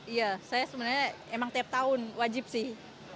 iya saya sebenarnya emang tiap tahun wajib sih